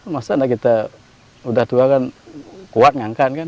masa kita sudah dua kan kuat ngangkat kan